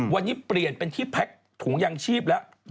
วันนี้เปลี่ยนเป็นที่แพ็คถุงยางชีพแล้ว